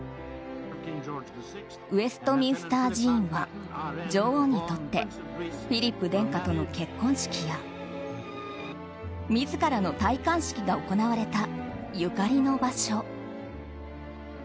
ウェストミンスター寺院は女王にとってフィリップ殿下との結婚式や自らの戴冠式が行われたゆかりの場所。